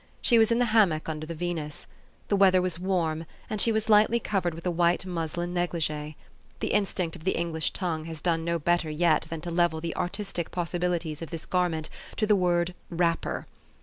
She was in the ham mock under the Venus. The weather was warm, and she was lightly covered with a white "muslin neg ligee. The instinct of the English tongue has done no better yet than to level the artistic possibilities of this garment to the word ''wrapper."